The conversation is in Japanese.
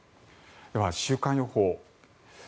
では、週間予報。